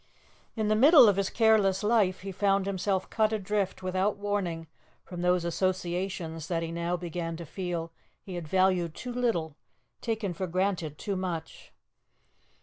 In the middle of his careless life he found himself cut adrift without warning from those associations that he now began to feel he had valued too little, taken for granted too much.